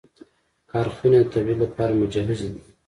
کارخونې د تولید لپاره مجهزې دي.